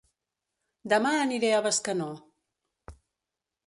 Dema aniré a Bescanó